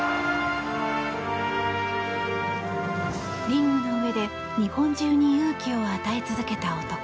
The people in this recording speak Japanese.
リングの上で日本中に勇気を与え続けた男。